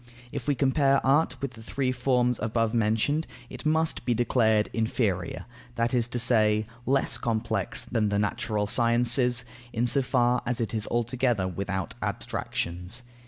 If we compare Art with the three forms above mentioned, it must be declared inferior, that is to say, less complex than the natural Sciences, in so far as it is altogether without abstractions.